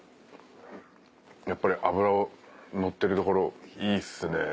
やっぱり脂乗ってる所いいっすね。